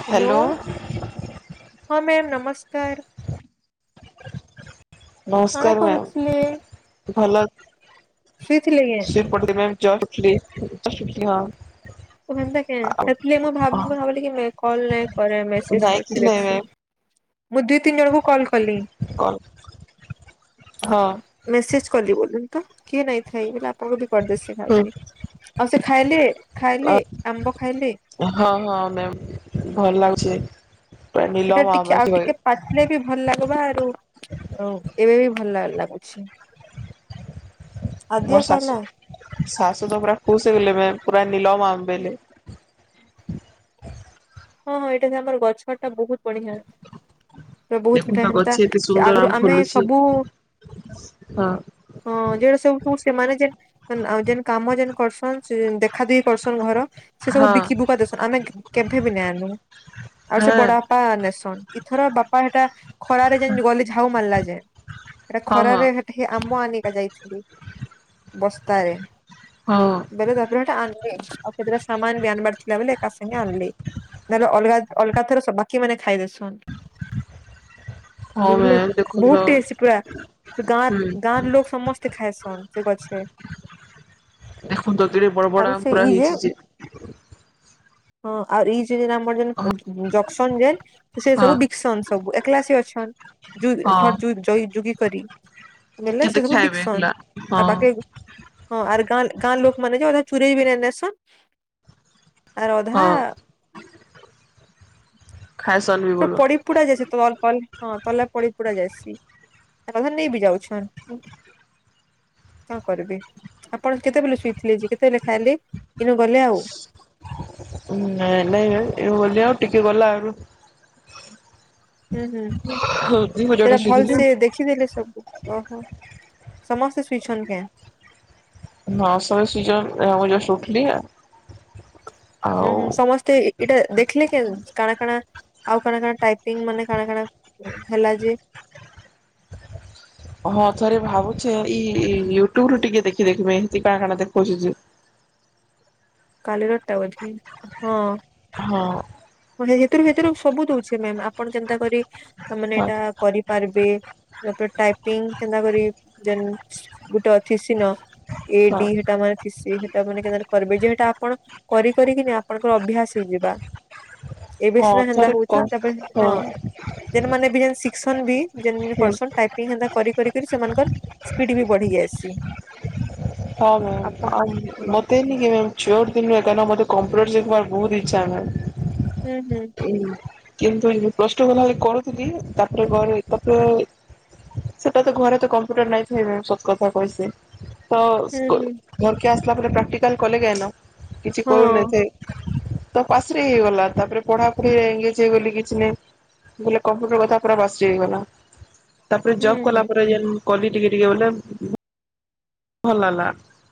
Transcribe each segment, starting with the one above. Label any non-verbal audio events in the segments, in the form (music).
Hello ହଁ ମ ନମସ୍କାର। କାଣା ନମସ୍କାର ମ୍ୟାମ୍ ଭଲ ଶଇଥିଲେ କି? (unintelligible) ହଁ ତ ଭନ୍ତା କେ ଆଉ ସେ ମୁଁ ଭାବିଲି କି କଲ ନଁ କ ମେସେଜ ନାଇଁ କିଛି କରସି ନାଇଁ ଦେଖସି ମ୍ୟାମ୍ ମୁଁ ଦୁଇ ତିନି ଜଣଙ୍କୁ କଲ କଲି କଲ୍ ହଁ ମେସେଜ କଲି ବୋଲି କିଏ ନାଇଥାଏ ବଲେ ଆପଣଙ୍କ କରିଦେ ସେ ହୁଁ (unintelligible) ଆଉ ସେ ଖାଇଲେ? ଖାଇଲେ ଆମ୍ବ ଖାଇଲେ? ହଁ ହଁ (unintelligible) ଭଲ ଲାଗୁ (inaudible) ସେଇଟା ଟିକେ ଆଉ ଟିକେ ପାଟିଲେ ବି ଭଲ ଲାଗ ବା ହ ଏବେ ବି ଭଲ ଲାଗୁଛି ମୋର ଆଦିଆ ଖାଇଲା ଶାଶ ଶାଶୁ ତ ପୁରା ଖୁସି ହେଇଗଲେ ପୁରା ନିଲ ମା ଆବେେଲେ ହଁ ହଁ ଏଇଟା ସେ ଆମର ଗଛ ଟା ବହୁତ ବଢିଆ ବହୁତ ପଥାା ଦେଖୁନ ଗଛ ହେନ୍ତା ଏତେ ସେ ସୁନ୍ଦର ଆଗରୁ ଆମ୍ ଆମେ ଫୁଲୁଛି ସବୁ ହଁ ଅ ଯଟା ସବୁ ସେମାନେ ଯେ ଆଉ ଯେନ୍ କାମ ଯେନ୍ କରସନ୍ ଦେଖା ଦେଇି କରସନ୍ ଘର ସେ ସବୁ ହଁ ବିକି ବିକ ଦସନ ଆମେ କେମ ନ ଆ ହଁ ସେ ବଡ ବାପା ନେସନ ଇଥର ବାପା ସେଟା ଖରାରେ ଗଲେ ଝାଉ ମାର ସେ ସେଟା ହଁ ହଁ। ଖରାରେ ସେଠି ଆମ୍ମ ଆଣିକା ଯାଇଥିଲେ ବସ୍ତାରେ ହଁ ବରା ଦପରାଟା ଆେ ଆଉ କେତେଟା ସମାନ ବି ଆଣିବାର ଥିଲା ବୋଲିଲେ ଏକା ସାଙ୍ଗେ ଆଣିଲି ଧହେଲେ ଅଲଗା ଅଲଗାଥର ବାକି ମାନେ ଖାଇଦସନ୍ ହଁ ବୁଝିଲି ମ୍ୟାମ୍ ଦେଖୁନ ବହୁତ ଟେ ଶ କା ଗାଁ ହୁଁ ଗାଁ ର ଲୋକ ସମସ୍ତେ ଖାଇଏସନ ଛ ଦେଖନ୍ତ ତତିଟ ବଡ ବଡ ଆମ ପୁରା ହେଇଛି ଯେ ହଁ ଆଉ ଏଇ ଯୋଦ ଆମର ଯେ ଜକ୍ସନ ଯେନ୍ (unintelligible) ସେ ହଁ ସବୁ ବିକସନ ସବୁ ଏକଲାସ ଅଛି ହାର୍ ଯୁ ହଁ। ଘର ଯୁ ଜ ଯୁଗ କରି ଲେ ସେ ସବୁ ବିକସନ୍ ଆ ହଁ ବାକି ହଁ ଆଅର୍ ଗାଁ ଗାଁ ଲୋକ ମାନେଛ ଓ ଚୁରେଇ ବେନେଶନ ଆରଧା ହଁ ଖାଇସନ୍ ବି ପୁରା ବୋଲ ପଡି ପୁଡା ଯାଇସି ତଲ (unintelligible) ନାଇଁ ନାଇଁ ଏ ବୋଲି ଆଉ ଟିକେ ଗଲା ଆରୁ ହୁଁ ହୁଁ ଦି ହଜାରଟା ସେଟା ଶୋଇଥିଲି ଭଲସ ଦେଖିଦେଲେ ସବୁ ଓହୋ ସମସ୍ତେ ଶୋଇଛଛନ୍ତି କେ (unintelligible) ଆ ମୁଁ ଜଷ୍ଟ ଉଠିଲି ଆ ହୁଁ ହୁଁ ସମସ୍ତେ ଏଇଟା ଦେଖିଲେ କେ କାଣା କାଣା ଆଉ କାଣା କାଣା ଟାଇପିଙ୍ଗ ମାନେ କାଣା କାଣା ହେଲା ଯେ ହଁ ଥରେ ଭାବୁଛେ ଏଇ ୟୁଟ୍ୟୁବରୁ ଟିକେ ଦେଖି ଦେଖିମି ହେତି କାଣା କାଣା ଦେଖଉଚି ଯେ କାଲିରଟା ବୋଧେ ହଁ। ହଁଥିରୁ ସେଥିରୁ ସବୁ ଦଉଚି ମାମ, ଆପଣ ଯେନ୍ତା ହଁ କରିପାରିବେ ତାପରେ ଟାଇପିଙ୍ଗନ୍ତା କରି ଗୋଟେ ଅଛି ସିନ। ଏ ହଁ ଡି ସେଟା ମାନ ଖସି ସେଟା ମାନ କେ କର୍ବେ ଯେ। ଟା ଆପଣ କରି କରିକିନି ଆପଣଙ୍କର ଅଭ୍ୟାସ ହେଇଯିବା। ଏବେ ହଁ ସିନା ହେନ୍ତା ଥରେ କ ହଉଛନ୍ ତାପରେ ହଁ ଯେନ୍ ମାନେ ବି ଏ ଶିଖ ଶୁନ ବି। ଯେନ୍ ମାନେ ହୁଁ କରସନ୍, ଟାଇପିଙ୍ଗ ହେନ୍ତା କରି କରି କରି ସେମାନଙ୍କର ସ୍ପିଡ ବି ବଢ଼ି ଯାଇସି। ହଁ ମ୍ୟାମ୍ ଆଉ ମତେନିକି ମେମ ଚୋର୍ ନୁହେ କାରଁନ ମତେ କମ୍ପ୍ୟୁଟର ଶିଖବାର ବହୁତ ଇଛ୍ଚା ମାମ୍। ହୁଁ ହୁଁ। କିନ୍ତୁ ପ୍ଲସ ଟୁ କଲା ବେଳେ କରୁଥିଲି, ତାପରେ ଘରେ ତାପରେ ସେଟା ତ ଘରେ ତ କମ୍ପ୍ୟୁଟର ନାଇଁ ଥାଇ ମେମ ସତ କଥା କହିସି। ତ ହୁଁ ଅ ହୁଁ ଘରକେ ଆସ ଲା ପରେ ପ୍ରାକ୍ଟିକଲ କଲେ କାଇନ? କିଛି ହଁ କରୁନଥାଏ। ତ ପାସିରି ଗଲା, ତାପରେ ପଢାପଢି ରେ ଏଙ୍ଗେଜ୍ ହେଇଗଲି କିଛି ନାଇଁ। ବଲେ କମ୍ପ୍ୟୁଟର (unintelligible) ତାପରେ ଜବ୍ କଲା ହୁଁ ପରେ ଯେନ୍ କହଲି ଟିକେ ଟିକେ ବୋଲେ ଭଲ ହେଲା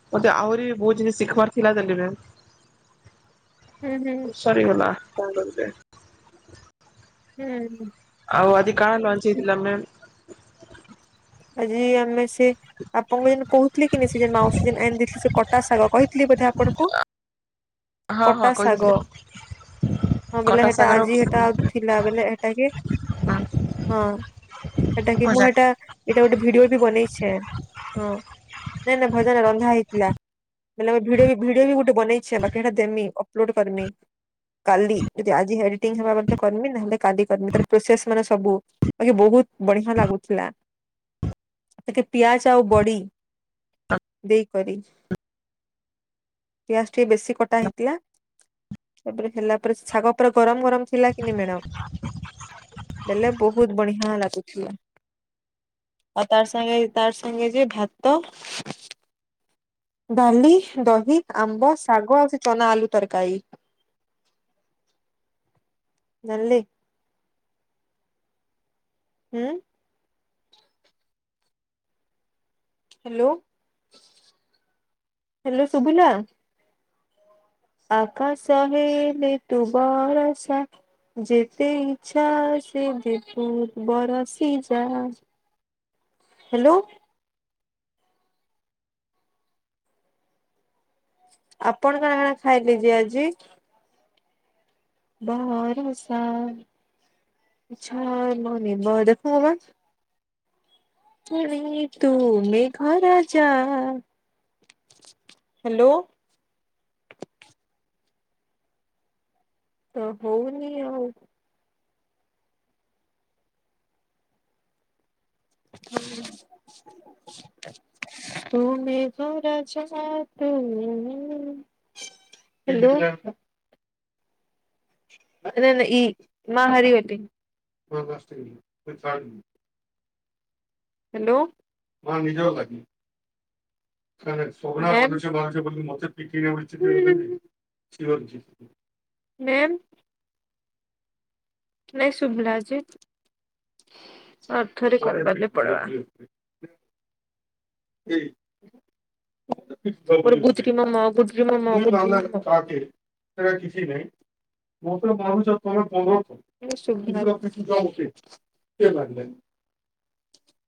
ମୋତେ ଆହୁରି ବି ବହୁତ ଜିନିଷ ଶିଖବାର ଥିଲା ଦେଲି ରେ ହୁଁ ହୁଁ ସରିଗଲା। କଣ କରୁଚେ। ହୁଁ ହଁ। ଆଉ ଆଜି କାଣା ଲଞ୍ଚ ହେଇ ଥିଲା ମ୍ୟାମ୍? ଆଜି ଆମେ ସେଇ ଆପଣଙ୍କୁ ଯେନ୍ କହୁଥିଲି କି ନାଇ ସେ ଯେ ମାଉସୀ ଯେନ୍ ଆନ ଦେଇଥିଲେ ସେ କଟା ଶାଗ କହିଥିଲି ବୋଧେ ଆପଣଙ୍କୁ? ହଁ କଟା ହଁ ଶାଗ କହିଥିଲି ହଁ ବୋଇଲେ କଟା ହେ ଟା ଆଜି ହେ ଟା ଶାଗର ଥିଲା। ବୋଇଲେ ଏଟା କି ହଁ ହେ ଟା କି ମୁଁ ହେ ଟା। ଏଟା ଗୋଟେ ଭିଡିଓ ବି ବନେଇଛେ। ହଁ ନାଇଁ ନାଇଁ ଭଜା ନାଇ ରନ୍ଧା ହେଇଥିଲା ବଲେ ଭିଡିଓ ବି ଗୋଟେ ବନେଇଛେ, ବାକି ହେ ଟା ଦେମି ଅପଲୋଡ କରିମି। କାଲି ଯଦି ଆଜି ଏଡିଟିଂ ହେବା ବୋଲେ ତ କରିମୀ, ନହେଲେ କାଲି କରିମୀ। ତାର ପ୍ରୋସେସ ମାନେ ସବୁ ବାକି ବହୁତ ବଢିଆ ଲାଗୁଥିଲା। ଟିକେ ପିଆଜ ଆଉ ବଡି ଦେଇକରି। ପିଆଜ ଟିକେ ବେଶୀ କଟା ହେଇଥିଲା। ତାପରେ ହେଲା ପରେ ଶାଗ ଉପରେ ଗରମ ଗରମ ଥିଲା କି ମ୍ୟାଡମ୍। ବଲେ ବହୁତ ବଢିଆ ଲା ଗୁ ଥିଲା। ଆଉ ତାର ସାଙ୍ଗେ ତାର ସାଙ୍ଗେ ଯେ ଭାତ, ଡାଲି, ଦହି, ଆମ୍ବ ଶାଗ ଆଉ ସେ ଚନା ଆଳୁ ତରକାରୀ। ନଲି। ହୁଁ। ହାଲୋ ହାଲୋ ସୁଭିଲା? ଆକାଶ ହେଲେ ତୁ ବରସା, ଯେତେ ଇଚ୍ଛା ସେ ଯେ ତୁ ବରସି ଯା। ହାଲୋ। ଆପଣ କାଣା କାଣା ଖାଇଲେ ଯେ ଆଜି? ବରସା ଛର ମନେ ବ ଦେଖ ପୁଣି ତୁମେ ଘ ରାଯା। ହାଲୋ। ତ ହଉନି ଆଉ। ତୁ ମେ ମେଘ ରଜା ତୁ (inaudible) ହ୍ୟାଲୋ। (inaudible) ନାଇଁ ଶୁମଲାଜ ଅଥରେ ଖଲେ ପ (unintelligible) ି ମ ସେ କିଛି ନହି ମତ ମାନ ତମେ ବ କି ଯ ଲାଗିଲ (unintelligible)